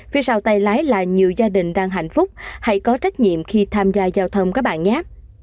phía sau tay lái là nhiều gia đình đang hạnh phúc hãy có trách nhiệm khi tham gia giao thông các bạn nhé